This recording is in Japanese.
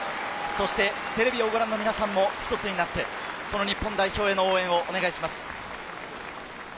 そしてテレビをご覧の皆さんも１つになって、日本代表への応援をお願いします。